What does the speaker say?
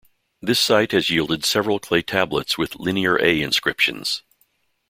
This site has yielded several clay tablets with Linear A inscriptions.